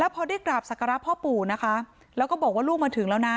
พอได้กราบศักระพ่อปู่นะคะแล้วก็บอกว่าลูกมาถึงแล้วนะ